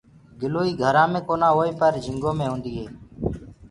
گِلوئي گهرآنٚ مي ڪونآ هوئي پر جھِنگو مي هوندي هونٚ۔